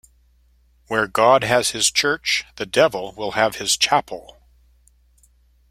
Where God has his church, the devil will have his chapel.